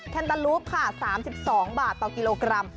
แนตาลูปค่ะ๓๒บาทต่อกิโลกรัม